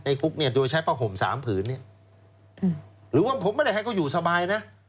คุกเนี่ยโดยใช้ผ้าห่ม๓ผืนเนี่ยหรือว่าผมไม่ได้ให้เขาอยู่สบายนะ